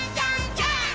ジャンプ！！